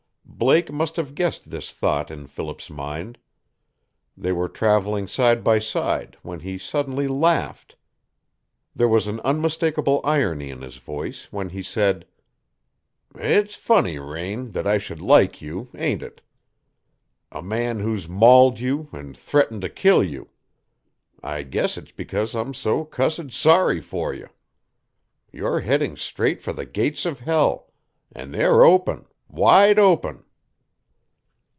Blake must have guessed this thought in Philip's mind. They were traveling side by side when he suddenly laughed. There was an unmistakable irony in his voice when he said: "It's funny, Raine, that I should like you, ain't it? A man who's mauled you, an' threatened to kill you! I guess it's because I'm so cussed sorry for you. You're heading straight for the gates of hell, an' they're open wide open."